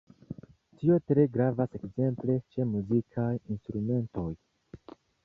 Tio tre gravas ekzemple ĉe muzikaj instrumentoj.